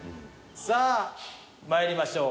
さあまいりましょう。